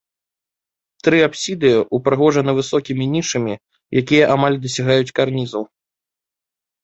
Тры апсіды ўпрыгожаны высокімі нішамі, якія амаль дасягаюць карнізаў.